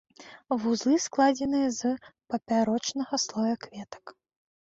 Вузлы складзены з папярочнага слоя клетак.